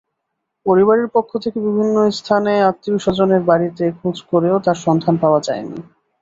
পরিবারের পক্ষ থেকে বিভিন্ন স্থানে আত্মীয়স্বজনের বাড়িতে খোঁজ করেও তাঁর সন্ধান পাওয়া যায়নি।